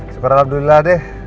semoga alhamdulillah deh